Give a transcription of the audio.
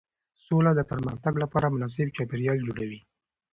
سوله د پرمختګ لپاره مناسب چاپېریال جوړوي